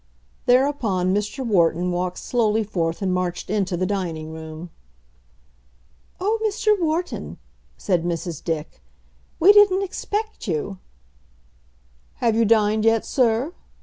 Thereupon Mr. Wharton walked slowly forth and marched into the dining room. "Oh, Mr. Wharton," said Mrs. Dick, "we didn't expect you." "Have you dined yet, sir?"